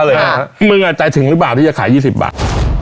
แต่มึงขอโทษนะครับมึงใจถึงรึเปล่าที่จะขาย๒๐บาท